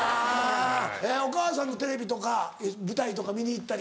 お母さんのテレビとか舞台とか見に行ったり？